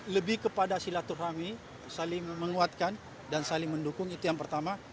lebih kepada silaturahmi saling menguatkan dan saling mendukung itu yang pertama